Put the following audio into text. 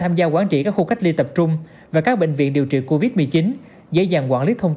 tham gia quản trị các khu cách ly tập trung và các bệnh viện điều trị covid một mươi chín dễ dàng quản lý thông